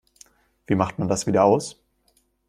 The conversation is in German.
Wie macht man das wieder aus?